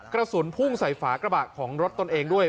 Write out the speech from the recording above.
กระสุนพุ่งใส่ฝากระบะของรถตนเองด้วย